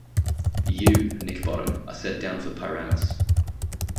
You, Nick Bottom, are set down for Pyramus.